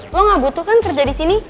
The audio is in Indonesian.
lo gak butuh kan kerja di sini